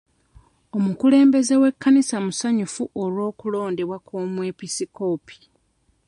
Omukulembeze w'ekkanisa musanyufu olw'okulondebwa omwepisikoopi.